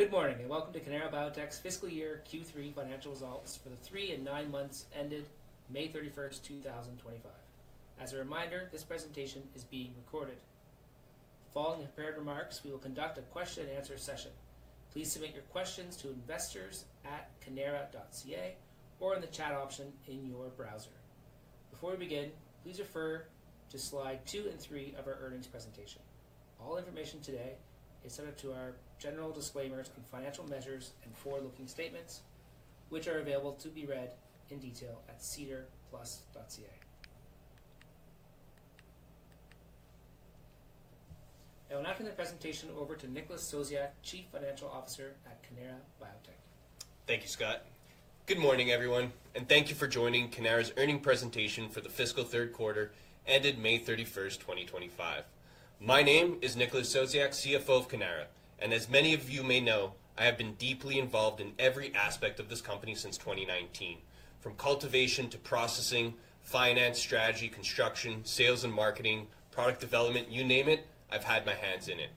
Good morning and welcome to Cannara Biotech's fiscal year Q3 financial results for the three and nine months ended May 31st, 2025. As a reminder, this presentation is being recorded. Following the prepared remarks, we will conduct a question-and-answer session. Please submit your questions to investors@cannara.ca or in the chat option in your browser. Before we begin, please refer to slide 2 and 3 of our earnings presentation. All information today is subject to our general disclaimers on financial measures and forward-looking statements, which are available to be read in detail at sedarplus.ca. We are now going to turn our presentation over to Nicholas Sosiak, Chief Financial Officer at Cannara Biotech. Thank you, Scott. Good morning, everyone, and thank you for joining Cannara's earnings presentation for the fiscal third quarter ended May 31st, 2025. My name is Nicholas Sosiak, CFO of Cannara, and as many of you may know, I have been deeply involved in every aspect of this company since 2019. From cultivation to processing, finance, strategy, construction, sales and marketing, product development, you name it, I've had my hands in it.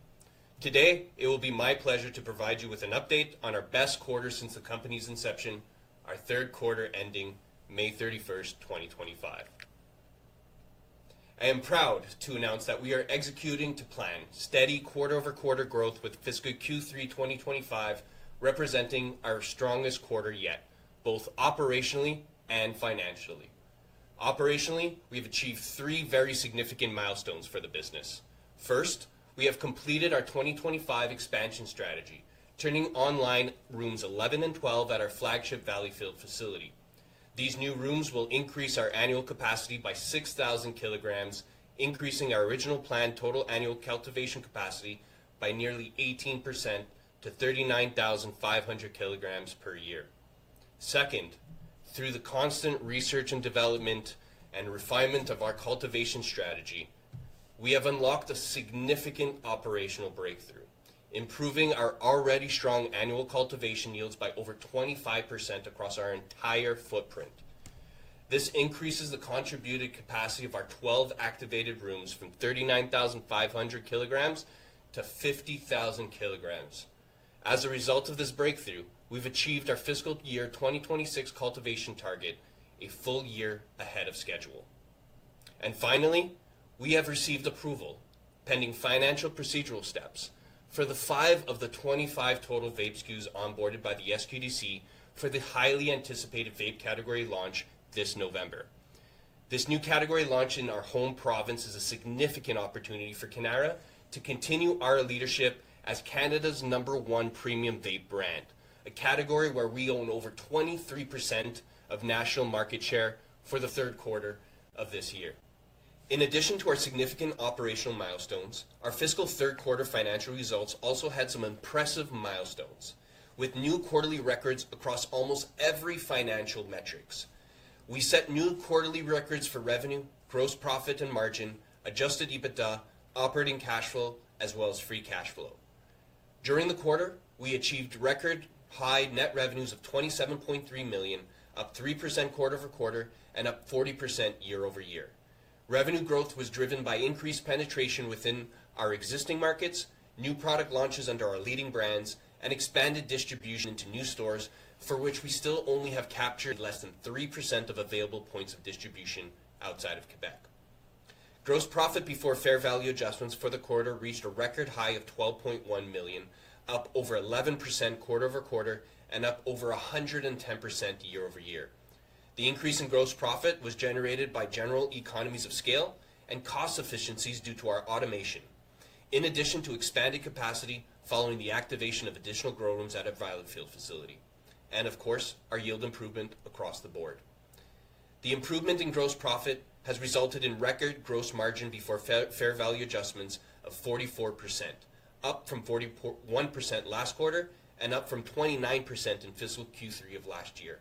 Today, it will be my pleasure to provide you with an update on our best quarter since the company's inception, our third quarter ending May 31st, 2025. I am proud to announce that we are executing to plan, steady quarter-over-quarter growth with fiscal Q3 2025 representing our strongest quarter yet, both operationally and financially. Operationally, we have achieved three very significant milestones for the business. First, we have completed our 2025 expansion strategy, turning online rooms 11 and 12 at our flagship Valleyfield Facility. These new rooms will increase our annual capacity by 6,000 kg, increasing our original planned total annual cultivation capacity by nearly 18% to 39,500 kg per year. Second, through the constant research and development and refinement of our cultivation strategy, we have unlocked a significant operational breakthrough, improving our already strong annual cultivation yields by over 25% across our entire footprint. This increases the contributed capacity of our 12 activated rooms from 39,500 kg-50,000 kg. As a result of this breakthrough, we've achieved our fiscal year 2026 cultivation target a full year ahead of schedule. Finally, we have received approval, pending financial procedural steps, for 5 of the 25 total vape SKUs onboarded by the SQDC for the highly anticipated vape category launch this November. This new category launch in our home province is a significant opportunity for Cannara to continue our leadership as Canada's number one premium vape brand, a category where we own over 23% of national market share for the third quarter of this year. In addition to our significant operational milestones, our fiscal third quarter financial results also had some impressive milestones, with new quarterly records across almost every financial metric. We set new quarterly records for revenue, gross profit and margin, adjusted EBITDA, operating cash flow, as well as free cash flow. During the quarter, we achieved record high net revenues of $27.3 million, up 3% quarter-over-quarter and up 40% year-over-year. Revenue growth was driven by increased penetration within our existing markets, new product launches under our leading brands, and expanded distribution to new stores, for which we still only have captured less than 3% of available points of distribution outside of Quebec. Gross profit before fair value adjustments for the quarter reached a record high of $12.1 million, up over 11% quarter-over-quarter and up over 110% year-over-year. The increase in gross profit was generated by general economies of scale and cost efficiencies due to our automation, in addition to expanded capacity following the activation of additional grow rooms at our Valleyfield Facility. Of course, our yield improvement across the board. The improvement in gross profit has resulted in record gross margin before fair value adjustments of 44%, up from 41% last quarter and up from 29% in fiscal Q3 of last year.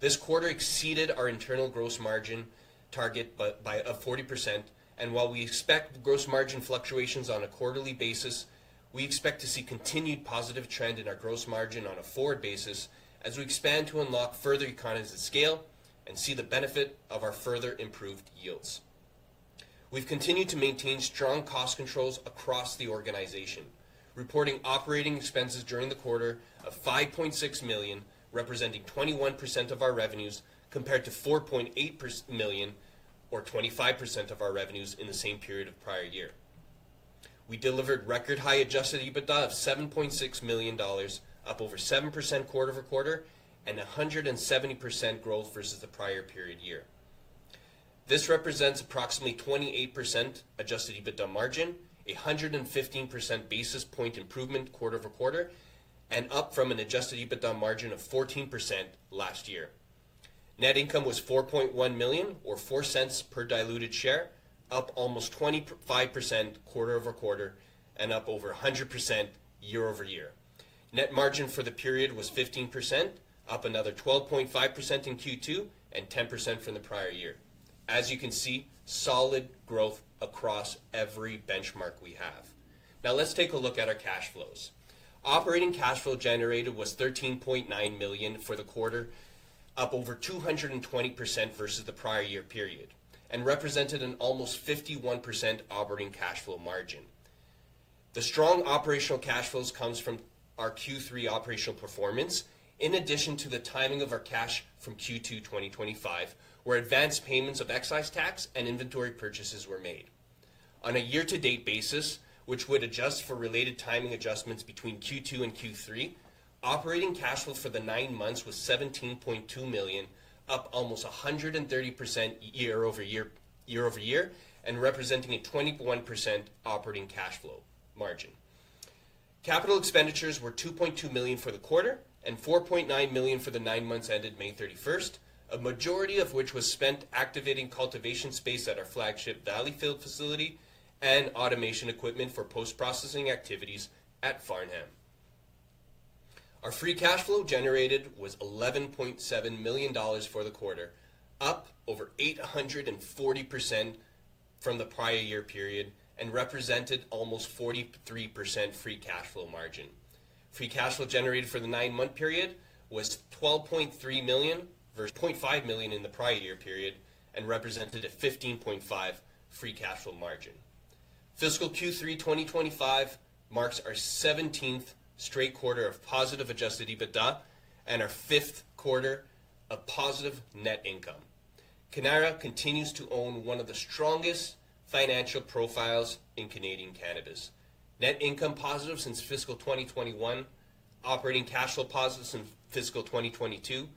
This quarter exceeded our internal gross margin target by up 40%, and while we expect gross margin fluctuations on a quarterly basis, we expect to see a continued positive trend in our gross margin on a forward basis as we expand to unlock further economies of scale and see the benefit of our further improved yields. We've continued to maintain strong cost controls across the organization, reporting operating expenses during the quarter of $5.6 million, representing 21% of our revenues compared to $4.8 million, or 25% of our revenues in the same period of the prior year. We delivered record high adjusted EBITDA of $7.6 million, up over 7% quarter-over-quarter and 170% growth versus the prior period year. This represents approximately 28% adjusted EBITDA margin, a 115% basis point improvement quarter-over-quarter, and up from an adjusted EBITDA margin of 14% last year. Net income was $4.1 million, or $0.04 per diluted share, up almost 25% quarter-over-quarter and up over 100% year-over-year. Net margin for the period was 15%, up another 12.5% in Q2 and 10% from the prior year. As you can see, solid growth across every benchmark we have. Now let's take a look at our cash flows. Operating cash flow generated was $13.9 million for the quarter, up over 220% versus the prior year period, and represented an almost 51% operating cash flow margin. The strong operational cash flows come from our Q3 operational performance, in addition to the timing of our cash from Q2 2025, where advanced payments of excise tax and inventory purchases were made. On a year-to-date basis, which would adjust for related timing adjustments between Q2 and Q3, operating cash flow for the nine months was $17.2 million, up almost 130% year-over-year, and representing a 21% operating cash flow margin. Capital expenditures were $2.2 million for the quarter and $4.9 million for the nine months ended May 31st, a majority of which was spent activating cultivation space at our flagship Valleyfield Facility and automation equipment for post-processing activities at Farnham. Our free cash flow generated was $11.7 million for the quarter, up over 840% from the prior year period and represented almost 43% free cash flow margin. Free cash flow generated for the nine-month period was $12.3 million versus $0.5 million in the prior year period and represented a 15.5% free cash flow margin. Fiscal Q3 2025 marks our 17th straight quarter of positive adjusted EBITDA and our fifth quarter of positive net income. Cannara continues to own one of the strongest financial profiles in Canadian cannabis. Net income positive since fiscal 2021, operating cash flow positive since fiscal 2022,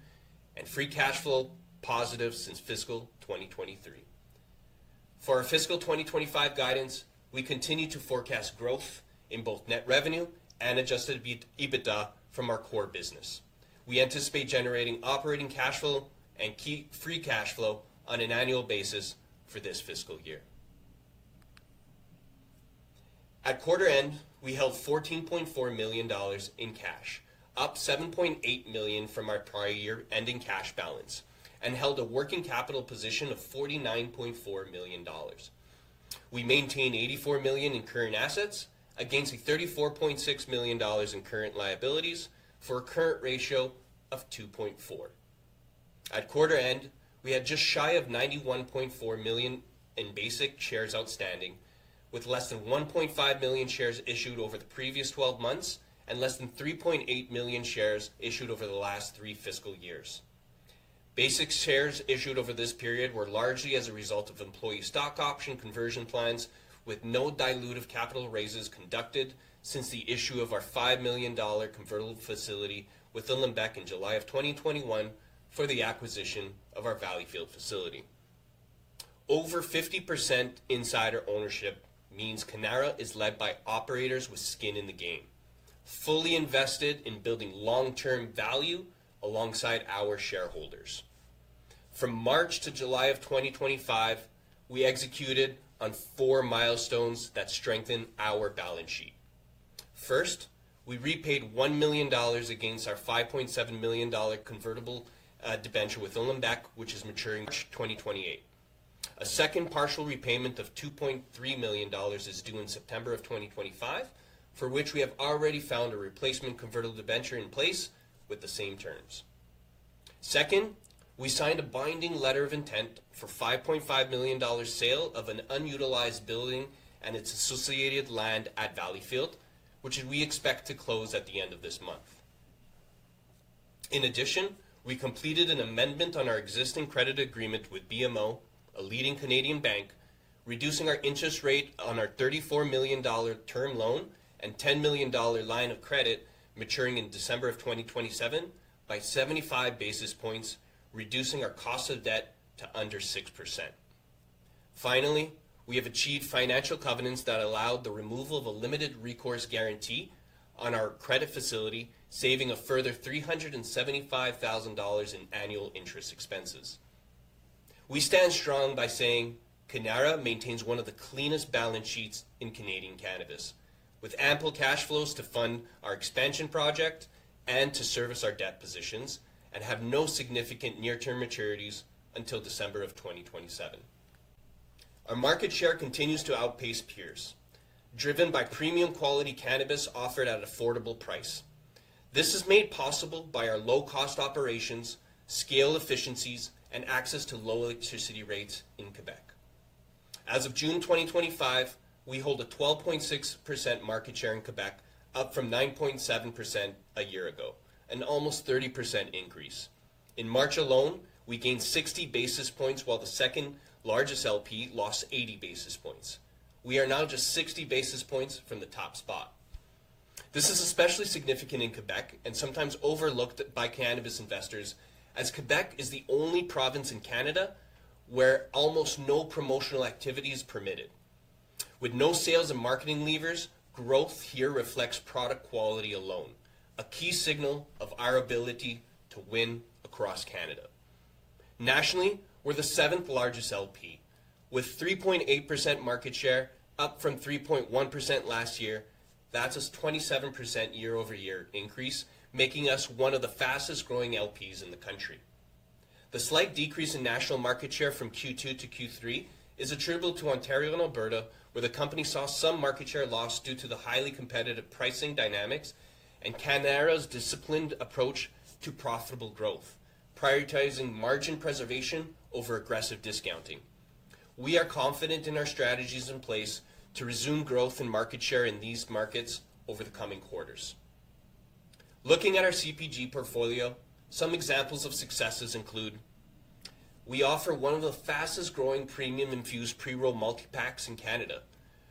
and free cash flow positive since fiscal 2023. For our fiscal 2025 guidance, we continue to forecast growth in both net revenue and adjusted EBITDA from our core business. We anticipate generating operating cash flow and key free cash flow on an annual basis for this fiscal year. At quarter end, we held $14.4 million in cash, up $7.8 million from our prior year ending cash balance, and held a working capital position of $49.4 million. We maintain $84 million in current assets against the $34.6 million in current liabilities for a current ratio of 2.4. At quarter end, we had just shy of 91.4 million in basic shares outstanding, with less than 1.5 million shares issued over the previous 12 months and less than 3.8 million shares issued over the last three fiscal years. Basic shares issued over this period were largely as a result of employee stock option conversion plans with no dilutive capital raises conducted since the issue of our $5 million convertible facility with the Limbeck in July 2021 for the acquisition of our Valleyfield Facility. Over 50% insider ownership means Cannara is led by operators with skin in the game, fully invested in building long-term value alongside our shareholders. From March to July of 2025, we executed on four milestones that strengthen our balance sheet. First, we repaid $1 million against our $5.7 million convertible debenture with the Limbeck, which is maturing to 2028. A second partial repayment of $2.3 million is due in September of 2025, for which we have already found a replacement convertible debenture in place with the same terms. Second, we signed a binding letter of intent for a $5.5 million sale of an unutilized building and its associated land at Valleyfield, which we expect to close at the end of this month. In addition, we completed an amendment on our existing credit agreement with BMO, a leading Canadian bank, reducing our interest rate on our $34 million term loan and $10 million line of credit maturing in December of 2027 by 75 basis points, reducing our cost of debt to under 6%. Finally, we have achieved financial covenants that allowed the removal of a limited recourse guarantee on our credit facility, saving a further $375,000 in annual interest expenses. We stand strong by saying Cannara maintains one of the cleanest balance sheets in Canadian cannabis, with ample cash flows to fund our expansion project and to service our debt positions and have no significant near-term maturities until December of 2027. Our market share continues to outpace peers, driven by premium quality cannabis offered at an affordable price. This is made possible by our low-cost operations, scale efficiencies, and access to low electricity rates in Quebec. As of June 2025, we hold a 12.6% market share in Quebec, up from 9.7% a year ago, an almost 30% increase. In March alone, we gained 60 basis points, while the second-largest LP lost 80 basis points. We are now just 60 basis points from the top spot. This is especially significant in Quebec and sometimes overlooked by cannabis investors, as Quebec is the only province in Canada where almost no promotional activity is permitted. With no sales and marketing levers, growth here reflects product quality alone, a key signal of our ability to win across Canada. Nationally, we're the seventh largest LP, with 3.8% market share, up from 3.1% last year. That's a 27% year-over-year increase, making us one of the fastest growing LPs in the country. The slight decrease in national market share from Q2 to Q3 is attributable to Ontario and Alberta, where the company saw some market share loss due to the highly competitive pricing dynamics and Cannara's disciplined approach to profitable growth, prioritizing margin preservation over aggressive discounting. We are confident in our strategies in place to resume growth in market share in these markets over the coming quarters. Looking at our CPG Portfolio, some examples of successes include: we offer one of the fastest-growing premium-infused pre-roll multipacks in Canada.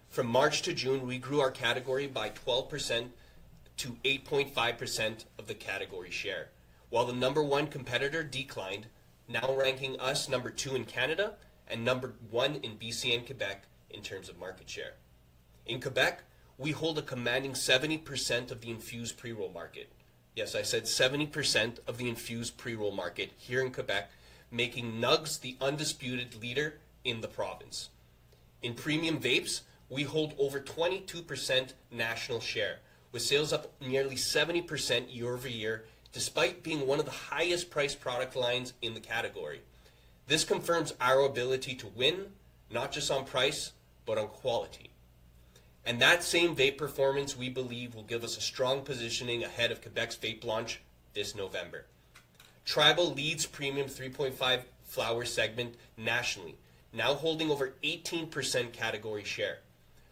From March to June, we grew our category by 12%-8.5% of the category share, while the number one competitor declined, now ranking us number two in Canada and number one in B.C. and Quebec in terms of market share. In Quebec, we hold a commanding 70% of the infused pre-roll market. Yes, I said 70% of the infused pre-roll market here in Quebec, making Nugs the undisputed leader in the province. In premium vapes, we hold over 22% national share, with sales up nearly 70% year-over-year, despite being one of the highest-priced product lines in the category. This confirms our ability to win, not just on price, but on quality. And that same vape performance we believe will give us a strong positioning ahead of Quebec's vape launch this November. Tribal leads premium 3.5% flower segment nationally, now holding over 18% category share,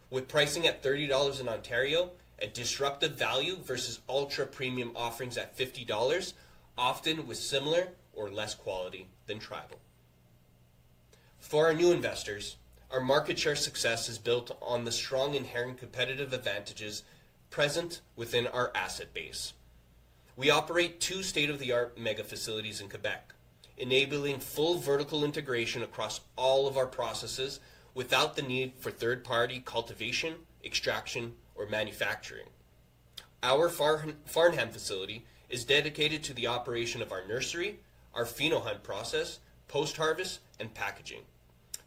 with pricing at $30 in Ontario at disruptive value versus ultra-premium offerings at $50, often with similar or less quality than Tribal. For our new investors, our market share success is built on the strong inherent competitive advantages present within our asset base. We operate two state-of-the-art mega facilities in Quebec, enabling full vertical integration across all of our processes without the need for third-party cultivation, extraction, or manufacturing. Our Farnham Facility is dedicated to the operation of our nursery, our Pheno Hunt Process, post-harvest, and packaging.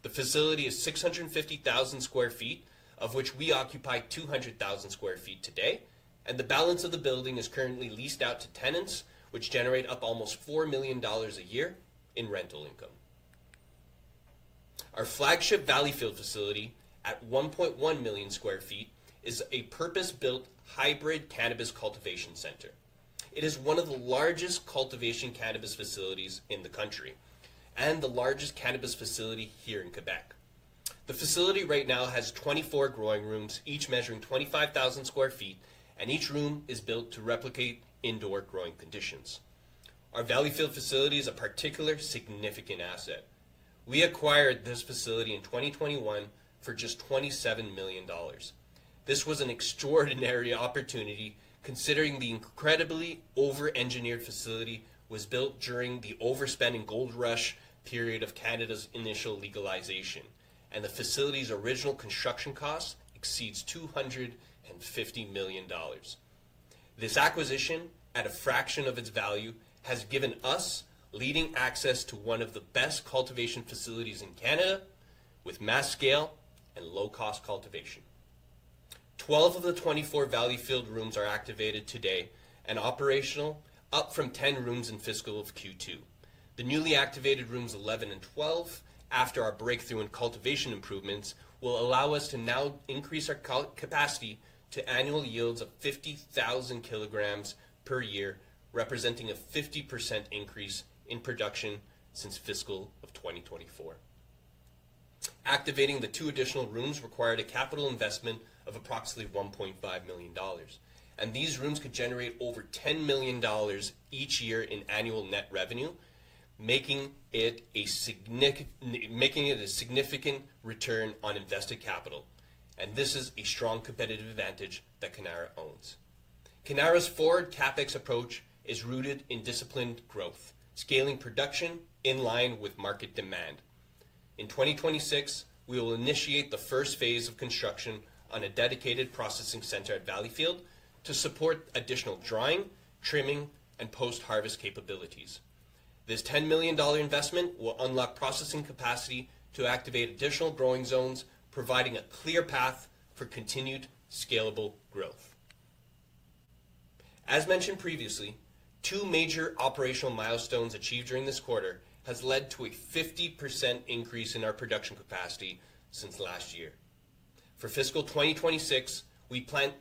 The facility is 650,000 square feet, of which we occupy 200,000 square feet today, and the balance of the building is currently leased out to tenants, which generate up almost $4 million a year in rental income. Our flagship Valleyfield Facility, at 1.1 million square feet, is a purpose-built hybrid cannabis cultivation center. It is one of the largest cultivation cannabis facilities in the country and the largest cannabis facility here in Quebec. The facility right now has 24 growing rooms, each measuring 25,000 square feet, and each room is built to replicate indoor growing conditions. Our Valleyfield Facility is a particularly significant asset. We acquired this facility in 2021 for just $27 million. This was an extraordinary opportunity considering the incredibly over-engineered facility was built during the overspending gold rush period of Canada's initial legalization, and the facility's original construction cost exceeds $250 million. This acquisition, at a fraction of its value, has given us leading access to one of the best cultivation facilities in Canada, with mass scale and low-cost cultivation. 12 of the 24 Valleyfield rooms are activated today and operational, up from 10 rooms in fiscal of Q2. The newly activated rooms 11 and 12, after our breakthrough in cultivation improvements, will allow us to now increase our capacity to annual yields of 50,000 kg per year, representing a 50% increase in production since fiscal 2024. Activating the two additional rooms required a capital investment of approximately $1.5 million, and these rooms could generate over $10 million each year in annual net revenue, making it a significant return on invested capital. And this is a strong competitive advantage that Cannara owns. Cannara's forward CapEx approach is rooted in disciplined growth, scaling production in line with market demand. In 2026, we will initiate the first phase of construction on a dedicated processing center at Valleyfield to support additional drying, trimming, and post-harvest capabilities. This $10 million investment will unlock processing capacity to activate additional growing zones, providing a clear path for continued scalable growth. As mentioned previously, two major operational milestones achieved during this quarter has led to a 50% increase in our production capacity since last year. For fiscal 2026, we plan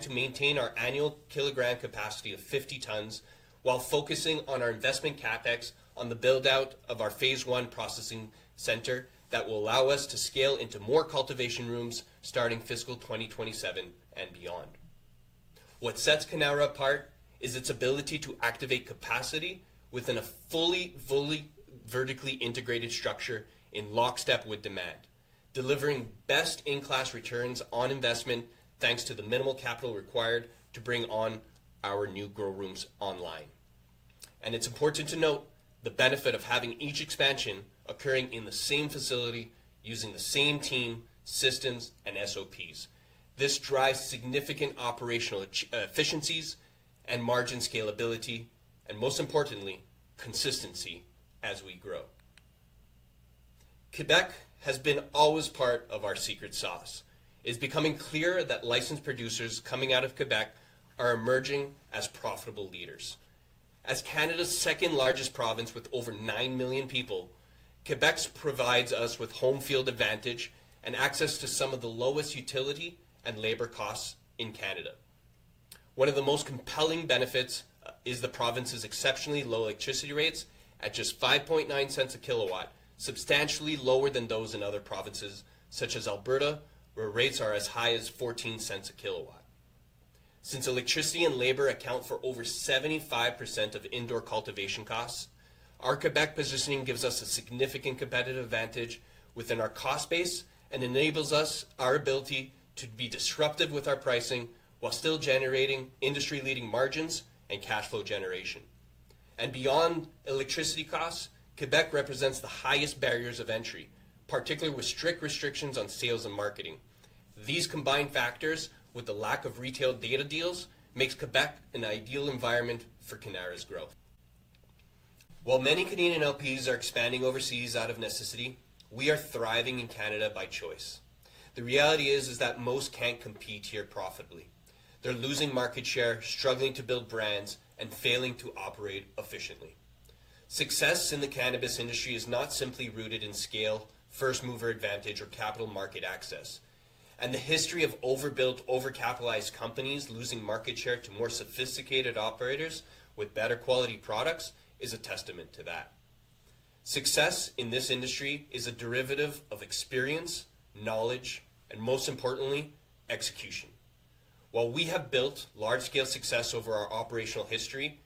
to maintain our annual kilogram capacity of 50 tons while focusing our investment CapEx on the build-out of our phase one processing center that will allow us to scale into more cultivation rooms starting fiscal 2027 and beyond. What sets Cannara apart is its ability to activate capacity within a fully, fully vertically integrated structure in lockstep with demand, delivering best-in-class returns on investment thanks to the minimal capital required to bring on our new grow rooms online. It is important to note the benefit of having each expansion occurring in the same facility using the same team, systems, and SOPs. This drives significant operational efficiencies and margin scalability, and most importantly, consistency as we grow. Quebec has been always part of our secret sauce. It is becoming clearer that licensed producers coming out of Quebec are emerging as profitable leaders. As Canada's second-largest province with over 9 million people, Quebec provides us with home-field advantage and access to some of the lowest utility and labor costs in Canada. One of the most compelling benefits is the province's exceptionally low electricity rates at just $0.059 a kW, substantially lower than those in other provinces such as Alberta, where rates are as high as $0.14 a kW. Since electricity and labor account for over 75% of indoor cultivation costs, our Quebec positioning gives us a significant competitive advantage within our cost base and enables our ability to be disruptive with our pricing while still generating industry-leading margins and cash flow generation. And beyond electricity costs, Quebec represents the highest barriers of entry, particularly with strict restrictions on sales and marketing. These combined factors, with the lack of retail data deals, make Quebec an ideal environment for Cannara's growth. While many Canadian LPs are expanding overseas out of necessity, we are thriving in Canada by choice. The reality is that most cannot compete here profitably. They are losing market share, struggling to build brands, and failing to operate efficiently. Success in the cannabis industry is not simply rooted in scale, first-mover advantage, or capital market access. The history of overbuilt, over-capitalized companies losing market share to more sophisticated operators with better quality products is a testament to that. Success in this industry is a derivative of experience, knowledge, and most importantly, execution. While we have built large-scale success over our operational history,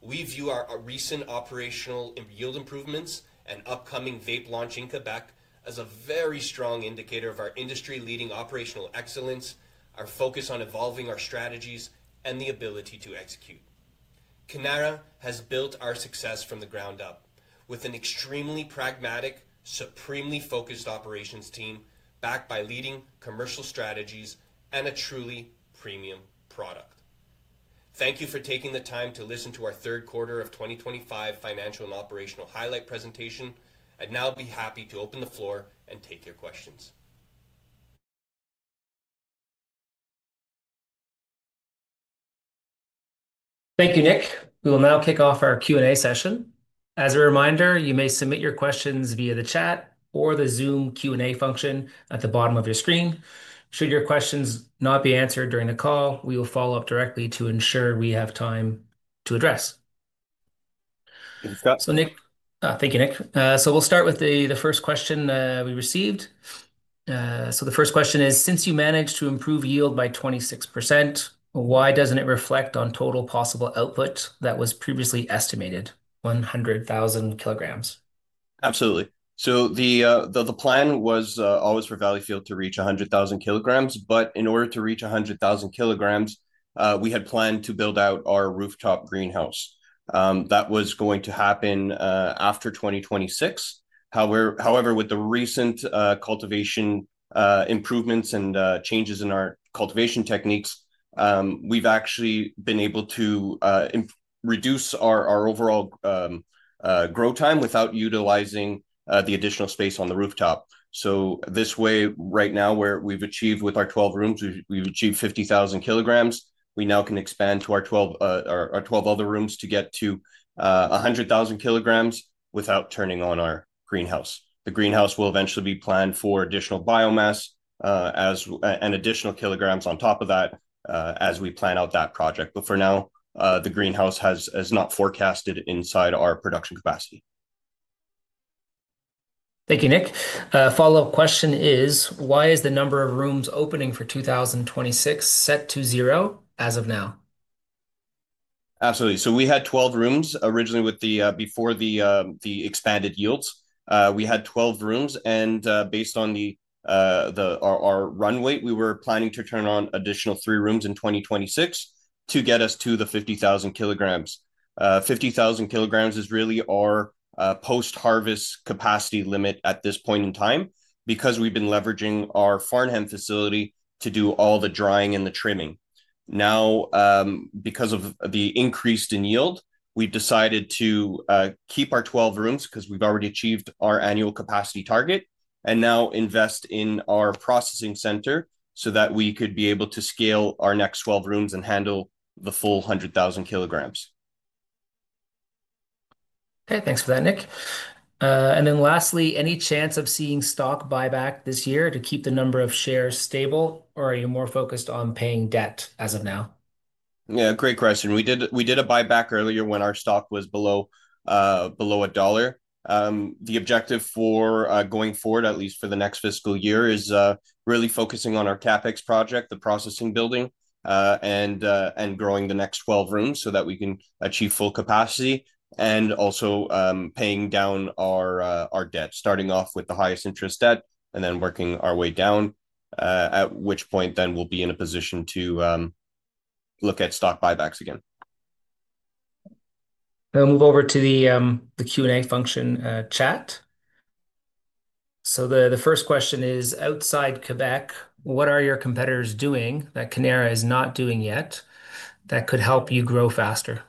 we view our recent operational yield improvements and upcoming vape launch in Quebec as a very strong indicator of our industry-leading operational excellence, our focus on evolving our strategies, and the ability to execute. Cannara has built our success from the ground up with an extremely pragmatic, supremely focused operations team backed by leading commercial strategies and a truly premium product. Thank you for taking the time to listen to our third quarter of 2025 financial and operational highlight presentation. I'd now be happy to open the floor and take your questions. Thank you, Nick. We will now kick off our Q&A session. As a reminder, you may submit your questions via the chat or the Zoom Q&A function at the bottom of your screen. Should your questions not be answered during the call, we will follow up directly to ensure we have time to address them. [crosstalk-Thank you, Scott.] Nick, thank you, Nick. We'll start with the first question we received. The first question is, since you managed to improve yield by 26%, why doesn't it reflect on total possible output that was previously estimated, 100,000 kg? Absolutely. The plan was always for Valleyfield to reach 100,000 kg, but in order to reach 100,000 kg, we had planned to build out our rooftop greenhouse. That was going to happen after 2026. However, with the recent cultivation improvements and changes in our cultivation techniques, we've actually been able to reduce our overall growth time without utilizing the additional space on the rooftop. So, this way, right now, with our 12 rooms, we've achieved 50,000 kg. We now can expand to our 12 other rooms to get to 100,000 kg without turning on our greenhouse. The greenhouse will eventually be planned for additional biomass and additional kilograms on top of that as we plan out that project. For now, the greenhouse is not forecasted inside our production capacity. Thank you, Nick. Follow-up question is, why is the number of rooms opening for 2026 set to zero as of now? Absolutely. We had 12 rooms originally before the expanded yields. We had 12 rooms, and based on our runway, we were planning to turn on an additional 3 rooms in 2026 to get us to the 50,000 kg. 50,000 kg is really our post-harvest capacity limit at this point in time because we've been leveraging our Farnham Facility to do all the drying and the trimming. Now, because of the increase in yield, we've decided to keep our 12 rooms because we've already achieved our annual capacity target and now invest in our processing center so that we could be able to scale our next 12 rooms and handle the full 100,000 kg. Okay, thanks for that, Nick. And lastly, any chance of seeing stock buyback this year to keep the number of shares stable, or are you more focused on paying debt as of now? Yeah, great question. We did a buyback earlier when our stock was below $1. The objective for going forward, at least for the next fiscal year, is really focusing on our CapEx project, the processing building, and growing the next 12 rooms so that we can achieve full capacity and also paying down our debt, starting off with the highest interest debt and then working our way down, at which point then we'll be in a position to look at stock buybacks again. Okay, we'll move over to the Q&A function chat. So there the first question is, outside Quebec, what are your competitors doing that Cannara is not doing yet that could help you grow faster?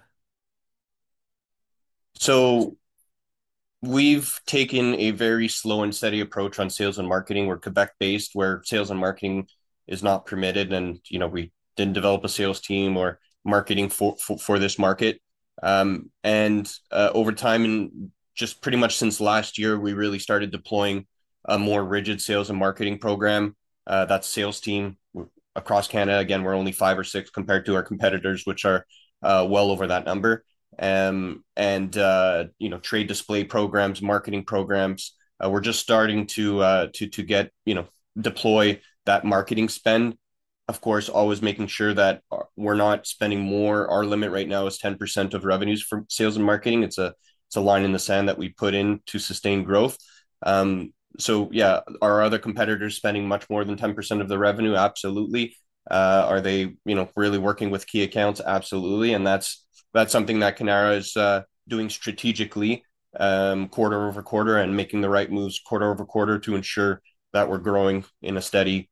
So we've taken a very slow and steady approach on sales and marketing. We're Quebec-based, where sales and marketing is not permitted, and we didn't develop a sales team or marketing for this market. And over time, and just pretty much since last year, we really started deploying a more rigid sales and marketing program. That's a sales team across Canada. We're only five or six compared to our competitors, which are well over that number. And you know trade display programs, marketing programs, we're just starting to get you know deploy that marketing spend. Of course, always making sure that we're not spending more. Our limit right now is 10% of revenues from sales and marketing. It's a line in the sand that we put in to sustain growth. Are our other competitors spending much more than 10% of their revenue? Absolutely. Are they really working with key accounts? Absolutely. And that's something that Cannara is doing strategically, quarter over quarter, and making the right moves quarter over quarter to ensure that we're growing at a steady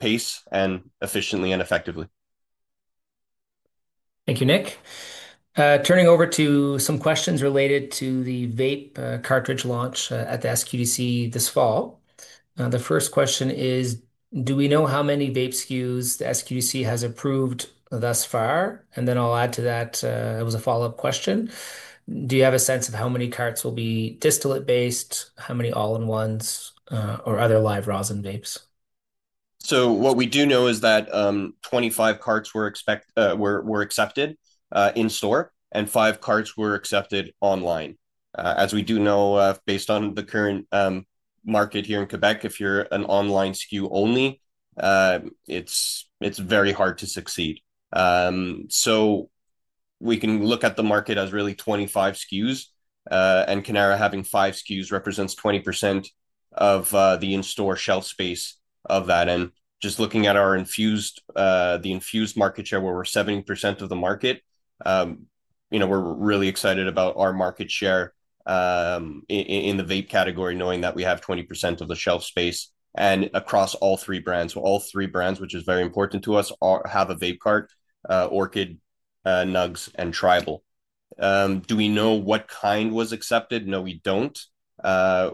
pace and efficiently and effectively. Thank you, Nick. Turning over to some questions related to the vape cartridge launch at the SQDC this fall. The first question is, do we know how many vape SKUs the SQDC has approved thus far? I'll add to that, it was a follow-up question. Do you have a sense of how many carts will be distillate-based, how many all-in-ones, or other Live Rosin Vapes? What we do know is that 25 carts were accepted in-store and 5 carts were accepted online. As we do know, based on the current market here in Quebec, if you're an online SKU only, it's very hard to succeed. We can look at the market as really 25 SKUs, and Cannara having 5 SKUs represents 20% of the in-store shelf space of that. And just looking at our infused, the infused market share, where we're 70% of the market, we're really excited about our market share in the vape category, knowing that we have 20% of the shelf space and across all three brands. All three brands, which is very important to us, have a vape cart: Orchid, Nugs, and Tribal. Do we know what kind was accepted? No, we don't.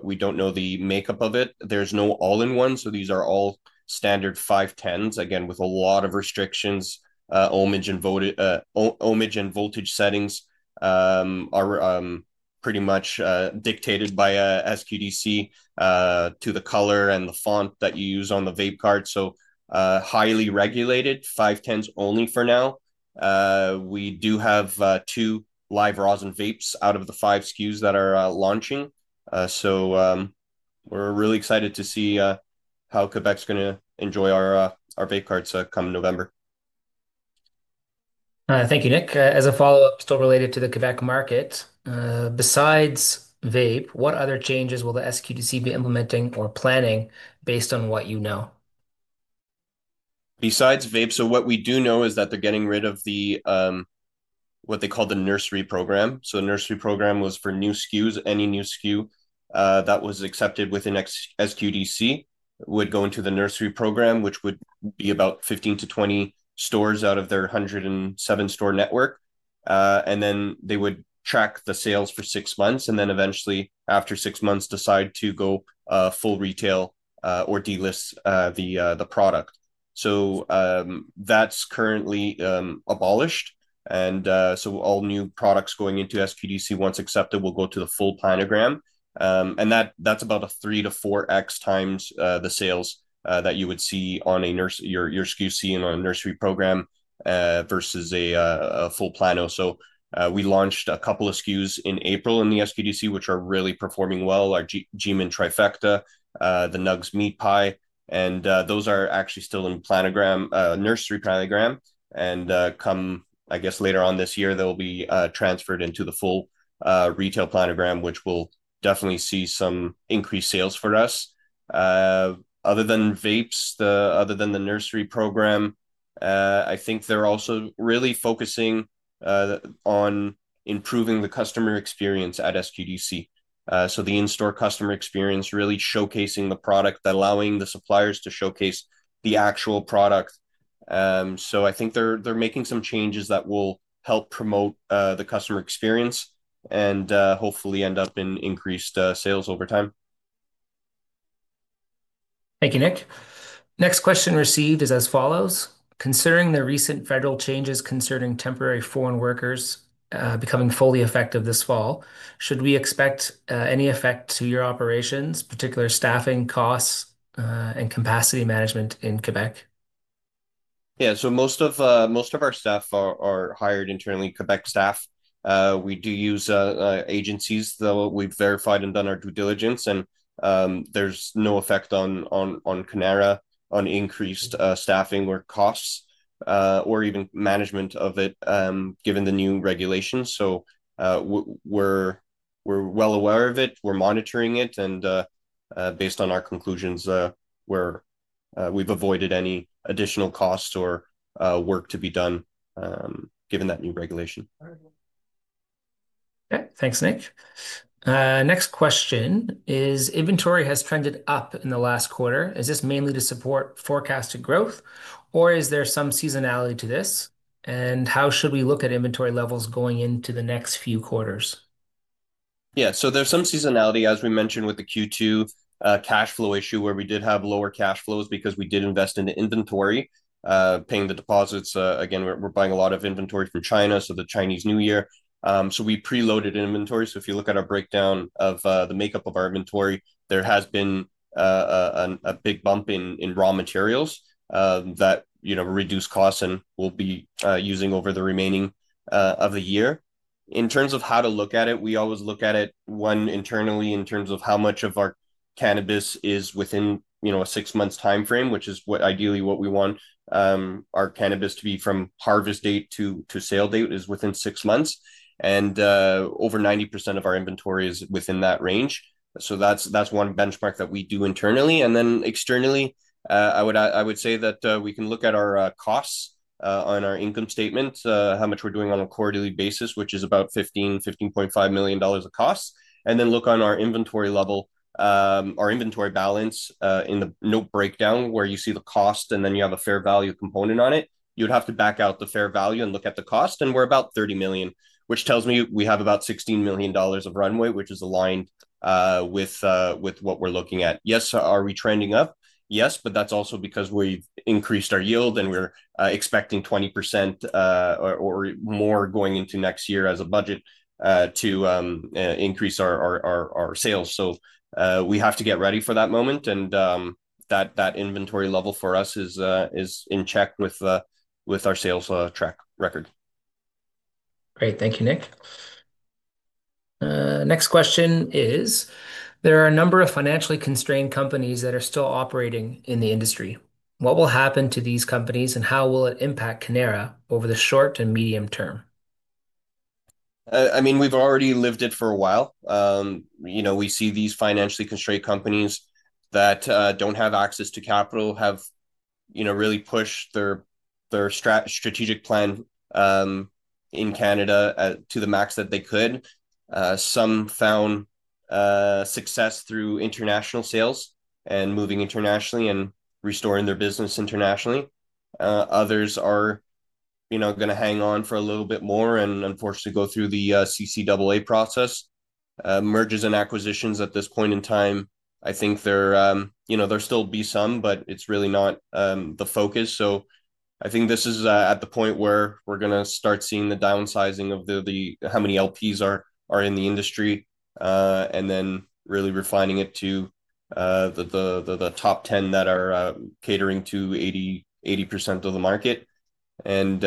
We don't know the makeup of it. There's no all-in-ones, so these are all standard 510s, again with a lot of restrictions. Ohmage and voltage settings are pretty much dictated by SQDC to the color and the font that you use on the vape cart. Highly regulated 510s only for now. We do have 2 Live Rosin Vapes out of the 5 SKUs that are launching. So we're really excited to see how Quebec's going to enjoy our vape carts come November. Thank you, Nick. As a follow-up, still related to the Quebec market, besides vape, what other changes will the SQDC be implementing or planning based on what you know? Besides vape, what we do know is that they're getting rid of what they call the Nursery Program. So, the Nursery Program was for new SKUs. Any new SKU that was accepted within SQDC would go into the Nursery Program, which would be about 15-20 stores out of their 107-store network. And then they would track the sales for six months and eventually, after six months, decide to go full retail or delist the product. That is currently abolished. All new products going into SQDC, once accepted, will go to the full Planogram. That is about a 3-4x times the sales that you would see on a nursery, your SKU seen on a Nursery Program versus a full Plano. We launched a couple of SKUs in April in the SQDC, which are really performing well, our G-Mint Trifecta, the Nugs Meat Pie. Those are actually still in Planogram, nursery Planogram. And come, I guess later on this year, they'll be transferred into the full retail Planogram, which will definitely see some increased sales for us. Other than vapes, other than the Nursery Program, I think they're also really focusing on improving the customer experience at SQDC. So the in-store customer experience, really showcasing the product, allowing the suppliers to showcase the actual product. So I think they're making some changes that will help promote the customer experience and hopefully end up in increased sales over time. Thank you, Nick. Next question received is as follows: Considering the recent federal changes concerning temporary foreign workers becoming fully effective this fall, should we expect any effect to your operations, particular staffing costs, and capacity management in Quebec? Most of our staff are hired internally, Quebec staff. We do use agencies, though we've verified and done our due diligence, and there's no effect on Cannara on increased staffing or costs or even management of it, given the new regulations. So, we're well aware of it, we're monitoring it, and based on our conclusions, we've avoided any additional costs or work to be done, given that new regulation. Okay, thanks, Nick. Next question is, inventory has trended up in the last quarter. Is this mainly to support forecasted growth, or is there some seasonality to this? How should we look at inventory levels going into the next few quarters? Yeah, so there's some seasonality, as we mentioned, with the Q2 cash flow issue, where we did have lower cash flows because we did invest in inventory, paying the deposits. So, again, we're buying a lot of inventory from China, so the Chinese New Year. We preloaded inventory. If you look at our breakdown of the makeup of our inventory, there has been a big bump in raw materials that reduced costs and we'll be using over the remaining of the year. In terms of how to look at it, we always look at it, one, internally in terms of how much of our cannabis is within a six months timeframe, which is ideally what we want our cannabis to be from harvest date to sale date is within six months. Over 90% of our inventory is within that range. That's one benchmark that we do internally. And then externally, I would say that we can look at our costs on our income statements, how much we're doing on a quarterly basis, which is about $15 million, $15.5 million of costs. Then look on our inventory level, our inventory balance in the note breakdown, where you see the cost and then you have a fair value component on it. You'd have to back out the fair value and look at the cost. We're about $30 million, which tells me we have about $16 million of runway, which is aligned with what we're looking at. Yes, are we trending up? Yes, but that's also because we've increased our yield and we're expecting 20% or more going into next year as a budget to increase our sales. So, we have to get ready for that moment. That inventory level for us is in check with our sales track record. Great, thank you, Nick. Next question is, there are a number of financially constrained companies that are still operating in the industry. What will happen to these companies, and how will it impact Cannara over the short and medium term? I mean, we've already lived it for a while. We see these financially constrained companies that don't have access to capital have really pushed their strategic plan in Canada to the max that they could. Some found success through international sales and moving internationally and restoring their business internationally. Others are you know gonna hang on for a little bit more and unfortunately go through the CCAA Process. Mergers and acquisitions at this point in time, I think there'll still be some, but it's really not the focus. I think this is at the point where we're going to start seeing the downsizing of how many LPs are in the industry and then really refining it to the top 10 that are catering to 80% of the market. And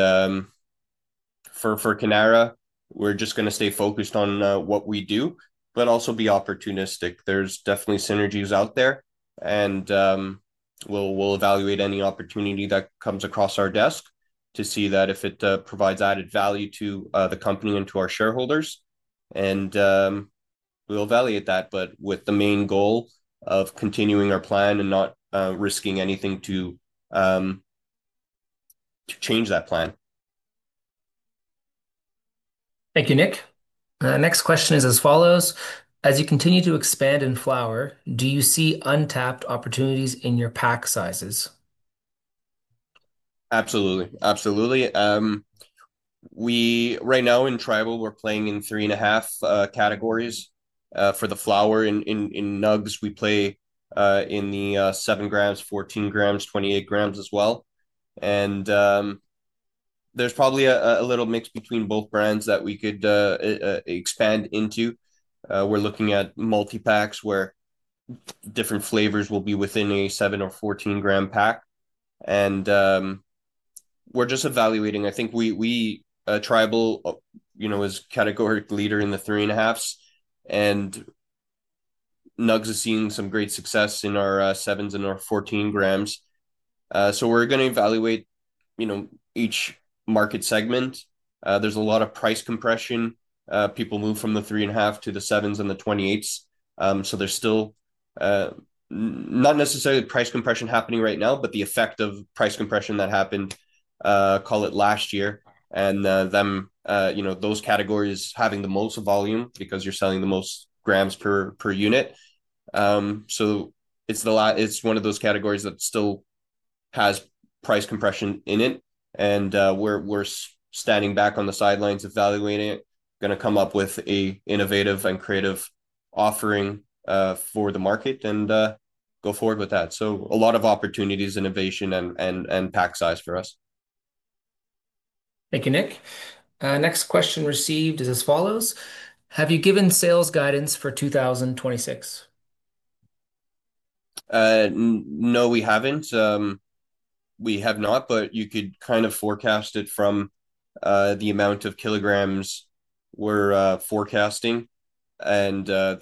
for Cannara, we're just going to stay focused on what we do, but also be opportunistic. There's definitely synergies out there. And we'll evaluate any opportunity that comes across our desk to see if it provides added value to the company and to our shareholders. And we'll evaluate that, with the main goal of continuing our plan and not risking anything to change that plan. Thank you, Nick. Next question is as follows: As you continue to expand in flower, do you see untapped opportunities in your pack sizes? Absolutely, absolutely. We right now in Tribal, we're playing in three and a half categories for the flower. In Nugs, we play in the 7 grams, 14 grams, 28 grams as well. And there's probably a little mix between both brands that we could expand into. We're looking at multi-packs where different flavors will be within a 7 or 14-gram pack. And we're just evaluating. I think we Tribal you know is a categorical leader in the three and a halfs, and Nugs is seeing some great success in our 7s and our 14 grams. We're going to evaluate each market segment. There's a lot of price compression. People move from the three and a half to the 7s and the 28s. There's still not necessarily price compression happening right now, but the effect of price compression that happened, call it last year, and those categories having the most volume because you're selling the most grams per unit. So it's one of those categories that still has price compression in it. We're standing back on the sidelines evaluating it, going to come up with an innovative and creative offering for the market and go forward with that. A lot of opportunities, innovation, and pack size for us. Thank you, Nick. Next question received is as follows: Have you given sales guidance for 2026? No, we haven't. We have not, but you could kind of forecast it from the amount of kilograms we're forecasting and our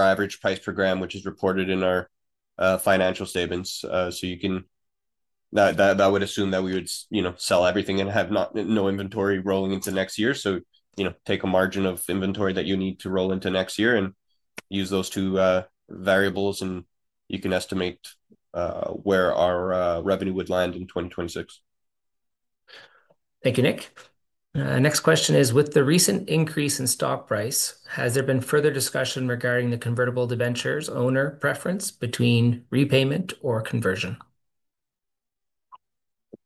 average price per gram, which is reported in our financial statements. You can, that would assume that we would sell everything and have no inventory rolling into next year. So you know take a margin of inventory that you need to roll into next year and use those two variables and you can estimate where our revenue would land in 2026. Thank you, Nick. Next question is, with the recent increase in stock price, has there been further discussion regarding the convertible debentures owner preference between repayment or conversion?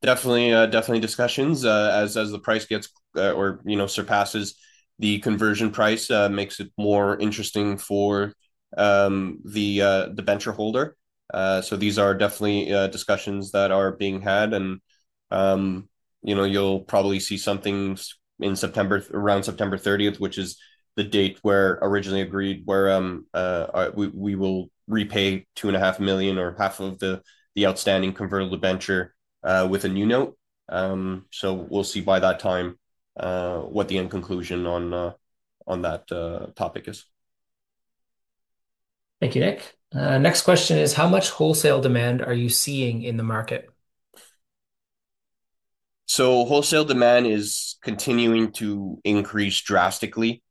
Definitely, definitely discussions. As the price gets or, you know, surpasses the conversion price, it makes it more interesting for the debenture holder. So, these are definitely discussions that are being had. You'll probably see something around September 30th, which is the date where originally agreed where we will repay $2.5 million or half of the outstanding convertible debenture with a new note. So we'll see by that time what the end conclusion on that topic is. Thank you, Nick. Next question is, how much wholesale demand are you seeing in the market? So, wholesale demand is continuing to increase drastically.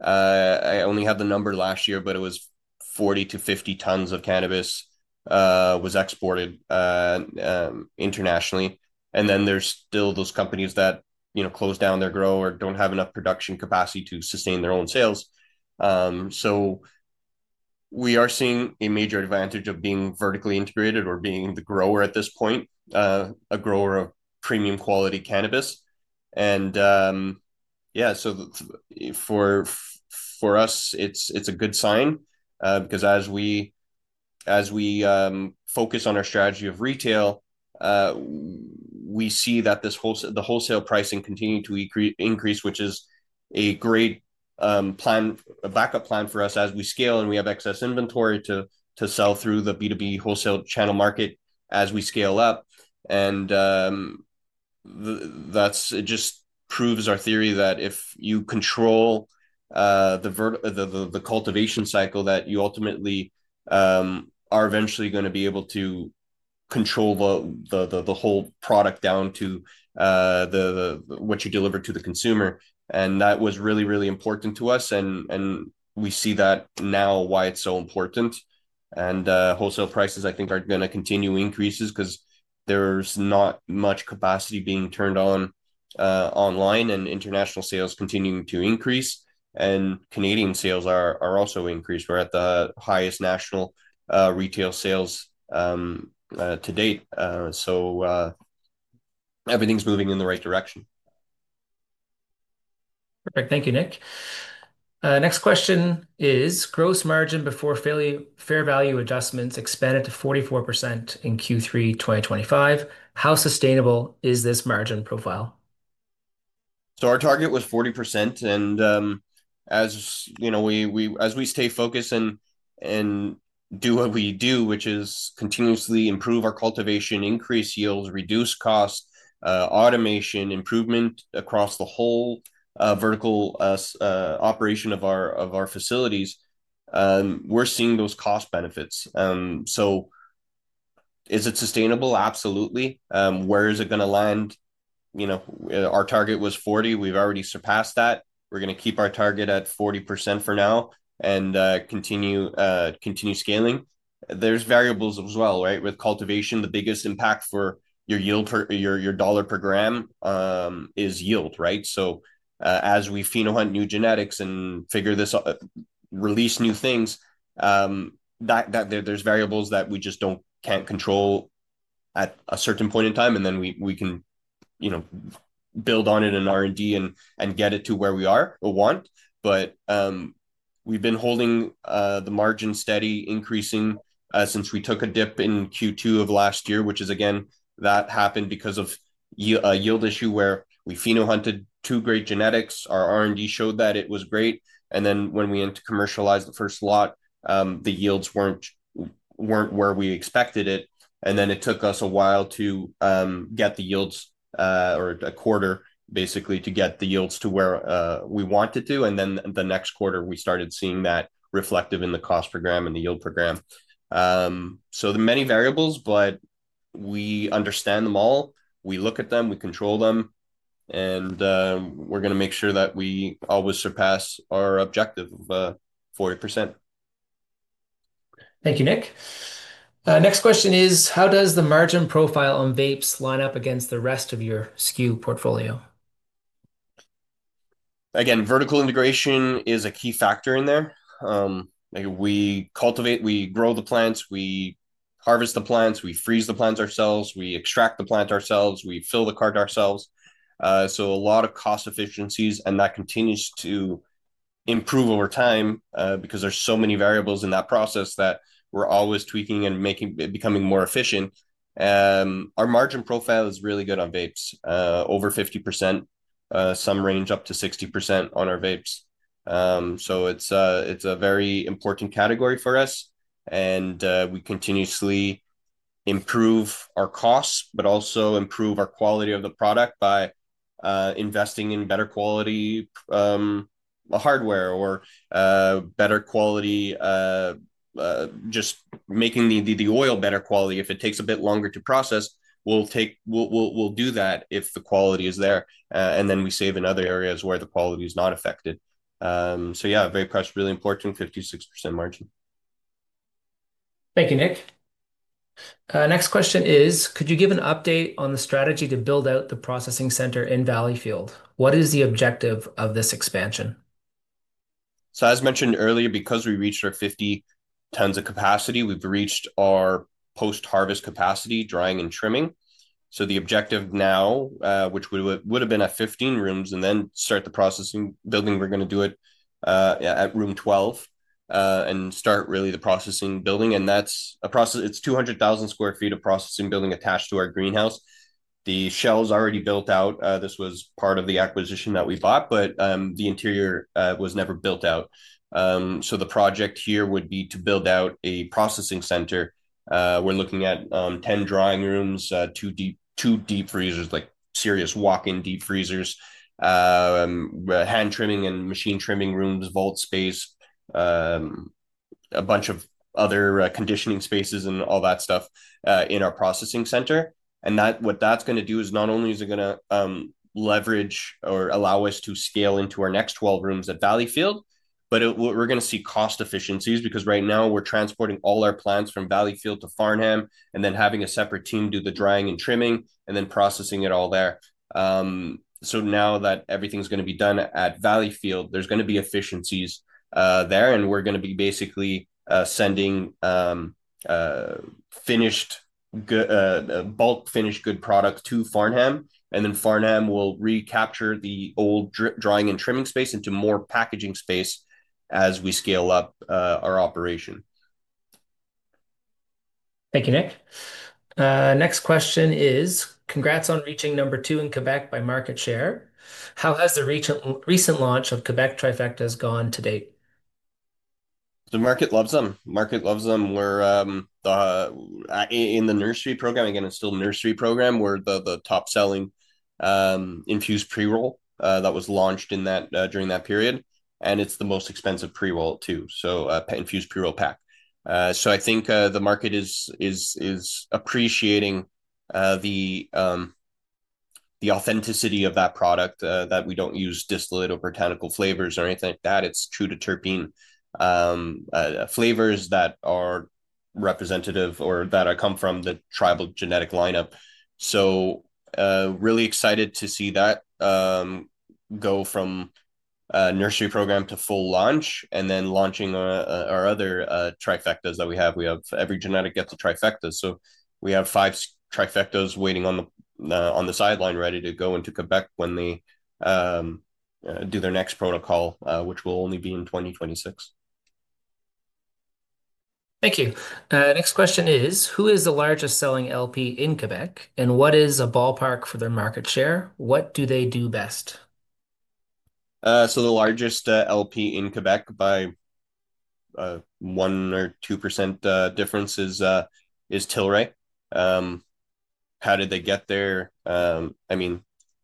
I only have the number last year, but it was 40-50 tons of cannabis exported internationally. And then there is still those companies that close down their grow or don't have enough production capacity to sustain their own sales. So, we are seeing a major advantage of being vertically integrated or being the grower at this point, a grower of premium quality cannabis. And yeah, so for us, it's a good sign because as we focus on our strategy of retail, we see that the wholesale pricing continues to increase, which is a great backup plan for us as we scale and we have excess inventory to sell through the B2B wholesale channel market as we scale up. And that just proves our theory that if you control the cultivation cycle, you ultimately are eventually going to be able to control the whole product down to what you deliver to the consumer. And that was really, really important to us. We see that now, why it's so important. And wholesale prices, I think, are going to continue to increase because there's not much capacity being turned online and international sales continuing to increase. Canadian sales are also increased. We're at the highest national retail sales to date. So, everything's moving in the right direction. Perfect. Thank you, Nick. Next question is, gross margin before fair value adjustments expanded to 44% in Q3 2025. How sustainable is this margin profile? Our target was 40%. And as we stay focused and do what we do, which is continuously improve our cultivation, increase yields, reduce costs, automation, improvement across the whole vertical operation of our facilities, we're seeing those cost benefits. So, is it sustainable? Absolutely. Where is it going to land? Our target was 40%. We've already surpassed that. We're going to keep our target at 40% for now and continue scaling. There are variables as well, right? With cultivation, the biggest impact for your yield, your dollar per gram, is yield, right? As we Pheno Hunt new genetics and figure this out, release new things, there are variables that we just can't control at a certain point in time. We can build on it in R&D and get it to where we are or want. But we've been holding the margin steady, increasing since we took a dip in Q2 of last year, which again that happened because of a yield issue where we Pheno Hunted two great genetics. Our R&D showed that it was great. And then when we commercialized the first lot, the yields weren't where we expected it. It took us a while to get the yields, or a quarter, basically, to get the yields to where we wanted to. The next quarter, we started seeing that reflected in the cost per gram and the yield per gram. So, there are many variables, but we understand them all. We look at them, we control them, and we're going to make sure that we always surpass our objective of 40%. Thank you, Nick. Next question is, how does the margin profile on vapes line up against the rest of your SKU portfolio? Again, vertical integration is a key factor in there. We cultivate, we grow the plants, we harvest the plants, we freeze the plants ourselves, we extract the plant ourselves, we fill the cart ourselves. So a lot of cost efficiencies, and that continues to improve over time because there's so many variables in that process that we're always tweaking and becoming more efficient. Our margin profile is really good on vapes, over 50%, some range up to 60% on our vapes. So it's a very important category for us. We continuously improve our costs, but also improve our quality of the product by investing in better quality hardware or better quality, just making the oil better quality. If it takes a bit longer to process, we'll do that if the quality is there. And we save in other areas where the quality is not affected. Vape carts are really important, 56% margin. Thank you, Nick. Next question is, could you give an update on the strategy to build out the processing center in Valleyfield? What is the objective of this expansion? As mentioned earlier, because we reached our 50 tons of capacity, we've reached our post-harvest capacity, drying and trimming. So, the objective now, which would have been at 15 rooms and then start the processing building, we're going to do it at room 12 and start really the processing building. And that's a process, it's 200,000 square feet of processing building attached to our greenhouse. The shell is already built out. This was part of the acquisition that we bought, but the interior was never built out. So, the project here would be to build out a processing center. We're looking at 10 drying rooms, two deep freezers, like serious walk-in deep freezers, hand trimming and machine trimming rooms, vault space, a bunch of other conditioning spaces, and all that stuff in our processing center. What that's going to do is not only is it going to leverage or allow us to scale into our next 12 rooms at Valleyfield, but we're going to see cost efficiencies because right now we're transporting all our plants from Valleyfield to Farnham and then having a separate team do the drying and trimming and then processing it all there. Now that everything's going to be done at Valleyfield, there are going to be efficiencies, and we're going to be basically sending finished, bulk finished good product to Farnham, and then Farnham will recapture the old drying and trimming space into more packaging space as we scale up our operation. Thank you, Nick. Next question is, congrats on reaching number two in Quebec by market share. How has the recent launch of Quebec Trifecta gone to date? The market loves them. The market loves them. We're in the Nursery Program. Again, it's still a Nursery Program. We're the top-selling infused pre-roll that was launched during that period, and it's the most expensive pre-roll too. So, infused pre-roll pack. I think the market is appreciating the authenticity of that product, that we don't use distillate or botanical flavors or anything like that. It's true to terpene flavors that are representative or that come from the Tribal genetic lineup. So, really excited to see that go from Nursery Program to full launch and then launching our other Trifectas that we have. We have every genetic gets a Trifecta. We have five Trifectas waiting on the sideline ready to go into Quebec when they do their next protocol, which will only be in 2026. Thank you. Next question is, who is the largest-selling LP in Quebec and what is a ballpark for their market share? What do they do best? The largest LP in Quebec by 1% or 2% difference is Tilray. How did they get there?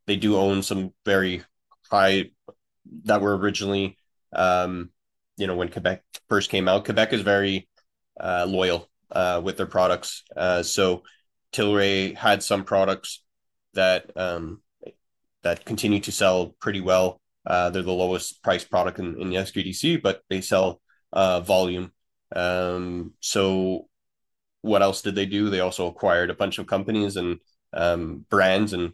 They do own some very high that were originally, you know, when Quebec first came out. Quebec is very loyal with their products. So, Tilray had some products that continued to sell pretty well. They're the lowest-priced product in the SQDC, but they sell volume. What else did they do? They also acquired a bunch of companies and brands and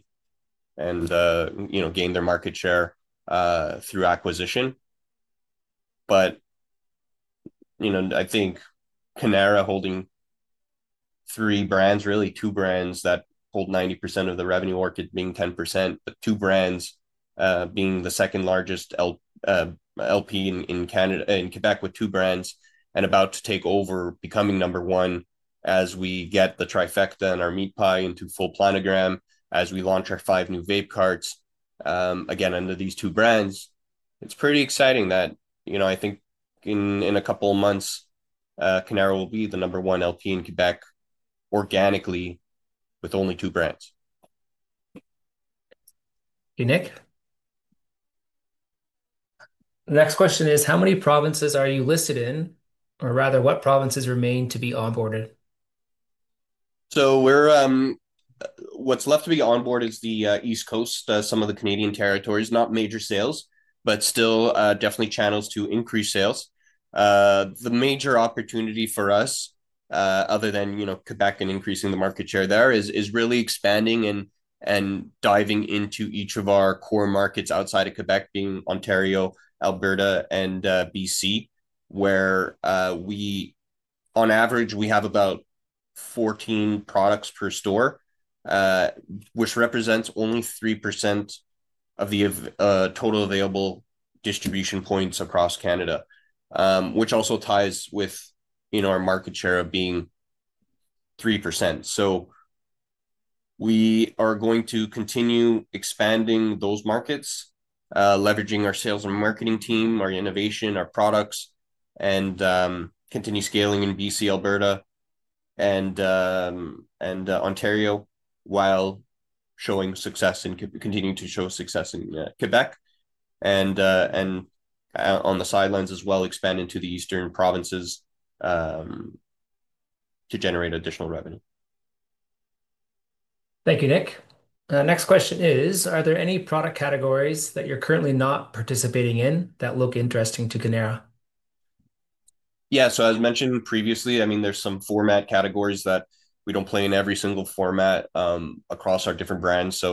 gained their market share through acquisition. But I think Cannara holding three brands, really two brands that hold 90% of the revenue, Orchid being 10%, but two brands being the second largest LP in Quebec with two brands and about to take over, becoming number one as we get the Trifecta and our Meat Pie into full Planogram as we launch our five new vape carts. Again, under these two brands, it's pretty exciting that I think in a couple of months, Cannara will be the number one LP in Quebec organically with only two brands. Thank you, Nick. Next question is, how many provinces are you listed in, or rather what provinces remain to be onboarded? So we’re, what's left to be onboarded is the East Coast, some of the Canadian territories, not major sales, but still definitely channels to increase sales. The major opportunity for us, other than, you know, Quebec and increasing the market share there, is really expanding and diving into each of our core markets outside of Quebec, being Ontario, Alberta, and B.C., where we, on average, we have about 14 products per store, which represents only 3% of the total available distribution points across Canada, which also ties with, you know, our market share of being 3%. So we are going to continue expanding those markets, leveraging our sales and marketing team, our innovation, our products, and continue scaling in B.C., Alberta, and Ontario, while showing success and continuing to show success in Quebec and on the sidelines as well, expanding to the Eastern provinces to generate additional revenue. Thank you, Nick. Next question is, are there any product categories that you're currently not participating in that look interesting to Cannara? Yeah, as mentioned previously, there are some format categories that we don't play in every single format across our different brands.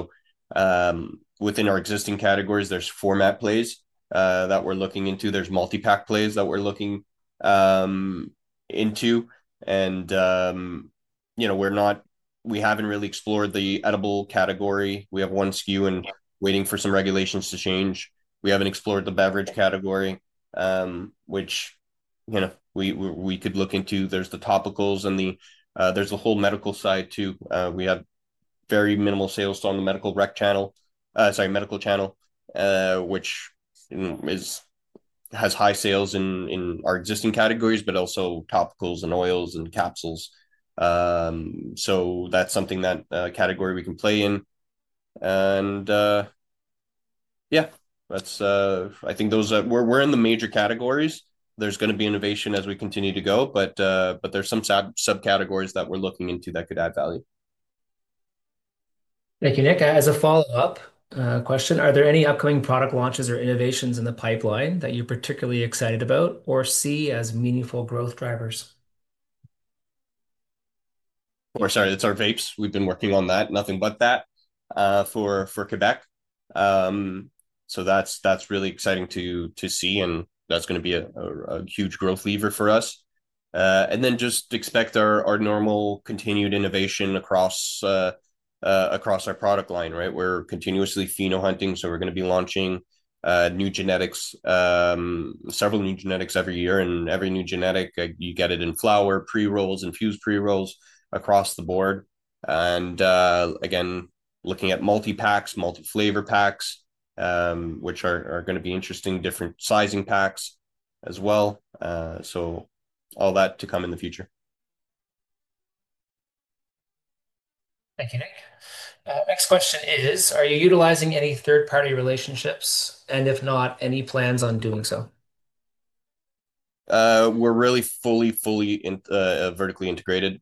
Within our existing categories, there are format plays that we're looking into. There are multi-pack plays that we're looking into. We haven't really explored the edible category. We have one SKU and are waiting for some regulations to change. We haven't explored the beverage category, which we could look into. There are the topicals and the whole medical side too. We have very minimal sales on the medical rec channel sorry medical channel, which has high sales in our existing categories, but also topicals and oils and capsules. So, that's something that category we can play in. And, yeah, that’s, I think we're in the major categories. There is going to be innovation as we continue to go, but there are some subcategories that we're looking into that could add value. Thank you, Nick. As a follow-up question, are there any upcoming product launches or innovations in the pipeline that you're particularly excited about or see as meaningful growth drivers? Sorry, it's our vapes. We've been working on that, nothing but that for Quebec. So, that's really exciting to see, and that's going to be a huge growth lever for us. Just expect our normal continued innovation across our product line, right? We're continuously pheno-hunting, so we're going to be launching new genetics, several new genetics every year, and every new genetic, you get it in flower, pre-rolls, infused pre-rolls across the board. Again, looking at multi-packs, multi-flavor packs, which are going to be interesting, different sizing packs as well. All that to come in the future. Thank you, Nick. Next question is, are you utilizing any third-party relationships, and if not, any plans on doing so? We're really fully, fully vertically integrated.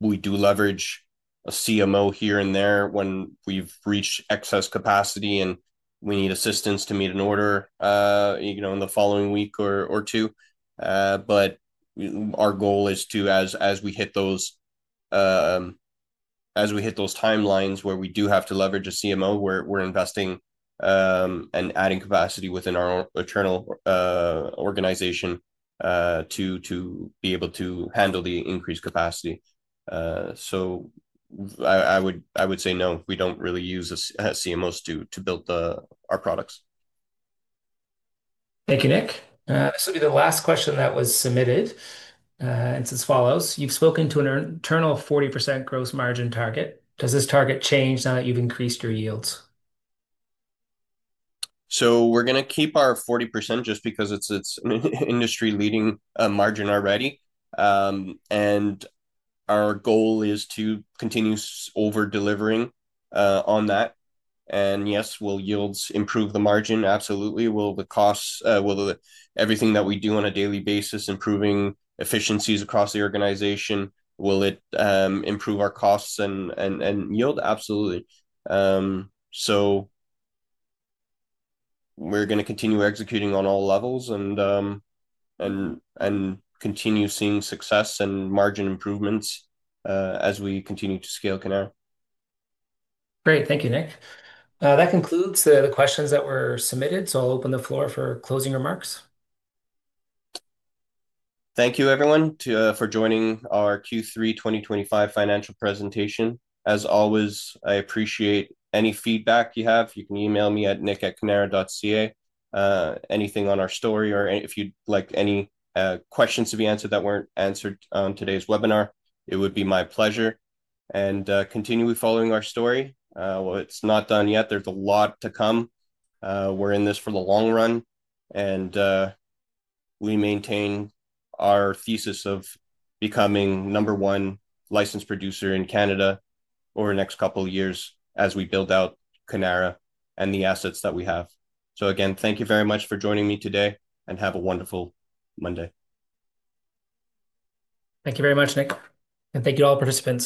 We do leverage a CMO here and there when we've reached excess capacity and we need assistance to meet an order in the following week or two. But our goal is to, as we hit those timelines where we do have to leverage a CMO, we're investing and adding capacity within our internal organization to be able to handle the increased capacity. So I would say no, we don't really use a CMOs to build our products. Thank you, Nick. This will be the last question that was submitted. It says, "Follows, you've spoken to an internal 40% gross margin target. Does this target change now that you've increased your yields? So, we're going to keep our 40% just because it's an industry-leading margin already. Our goal is to continue over-delivering on that. Yes, will yields improve the margin? Absolutely. Will the costs, will everything that we do on a daily basis improve efficiencies across the organization? Will it improve our costs and yield? Absolutely. We're going to continue executing on all levels and continue seeing success and margin improvements as we continue to scale Cannara. Great, thank you, Nick. That concludes the questions that were submitted. I'll open the floor for closing remarks. Thank you, everyone, for joining our Q3 2025 financial presentation. As always, I appreciate any feedback you have. You can email me at nick@cannara.ca. Anything on our story or if you'd like any questions to be answered that weren't answered on today's webinar, it would be my pleasure. And continue following our story. But it's not done yet. There's a lot to come. We're in this for the long run, and we maintain our thesis of becoming number one licensed producer in Canada over the next couple of years as we build out Cannara and the assets that we have. So, again, thank you very much for joining me today and have a wonderful Monday. Thank you very much, Nick, and thank you all participants.